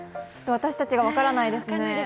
私たちは分からないですね。